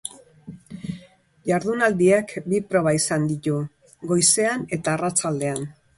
Jardunaldiak bi proba izan ditu, goizean eta arratsaldean.